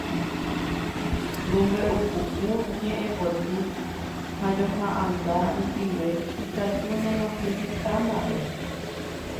Mombe'upuku, ñe'ẽpoty ha ñoha'ãnga rupive ikatu ñanohẽ heta mba'e.